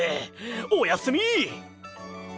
おやすみ！